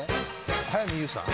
早見優さん？